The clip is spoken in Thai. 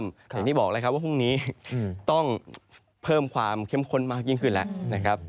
อย่างที่บอกแล้วครับว่าพรุ่งนี้ต้องเพิ่มความเข้มข้นมากยิ่งขึ้นแล้วนะครับ